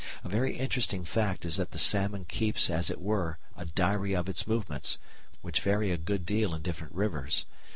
A very interesting fact is that the salmon keeps as it were a diary of its movements, which vary a good deal in different rivers.